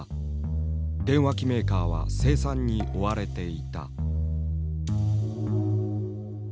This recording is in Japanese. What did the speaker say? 電話機メーカーは生産に追われていた。